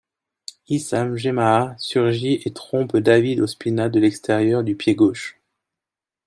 Issam Jemâa surgit et trompe David Ospina de l'extérieur du pied gauche.